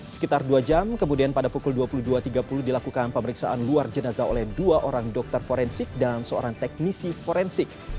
sekitar dua jam kemudian pada pukul dua puluh dua tiga puluh dilakukan pemeriksaan luar jenazah oleh dua orang dokter forensik dan seorang teknisi forensik